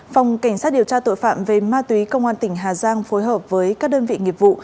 phòng cảnh sát điều tra tội phạm về ma túy công an tỉnh hà giang phối hợp với các đơn vị nghiệp vụ